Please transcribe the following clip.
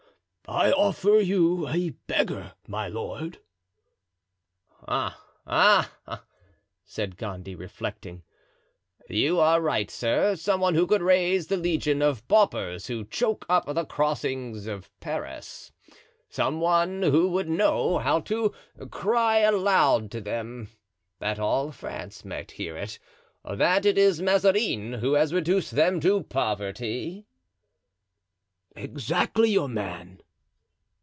"I offer you a beggar, my lord." "Ah! ah!" said Gondy, reflecting, "you are right, sir; some one who could raise the legion of paupers who choke up the crossings of Paris; some one who would know how to cry aloud to them, that all France might hear it, that it is Mazarin who has reduced them to poverty." "Exactly your man."